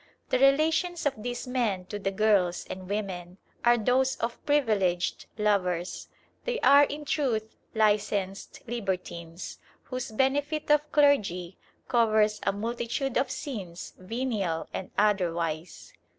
The relations of these men to the girls and women are those of privileged lovers. They are in truth licensed libertines, whose "benefit of clergy" covers a multitude of sins venial and otherwise.